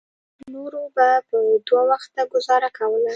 نورو به په دوه وخته ګوزاره کوله.